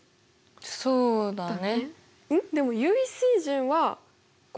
そうだよね。